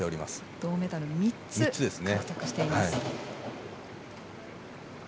銅メダル３つ獲得しています。